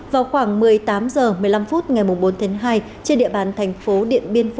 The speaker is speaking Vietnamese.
vào khoảng một mươi tám h một mươi năm phút ngày bốn tháng hai trên địa bàn thành phố điện biên phủ